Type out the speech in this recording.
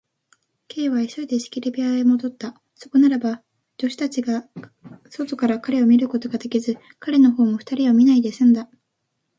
Ｋ は急いで仕切り部屋へもどった。そこならば、助手たちが外から彼を見ることができず、彼のほうも二人を見ないですんだ。